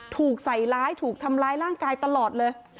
ถูกใส่ร้ายถูกทำร้ายร่างกายตลอดเลย